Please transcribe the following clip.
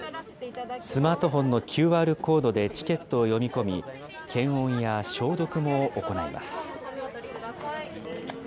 スマートフォンのＱＲコードでチケットを読み込み、検温や消毒も行います。